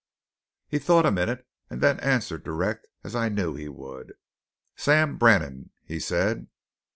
"He thought a minute and then answered direct, as I knew he would. "'Sam Brannan,' he said.